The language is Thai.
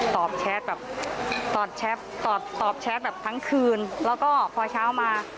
ตอบแชทแบบตอบแชทแบบทั้งคืนแล้วก็พอเช้ามา